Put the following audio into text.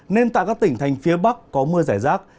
nên tại các tỉnh thành phía bắc có mưa rải rác